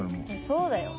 そうだよ。